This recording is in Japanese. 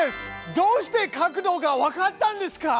どうして角度がわかったんですか？